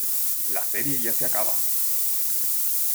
La serie ya se acaba.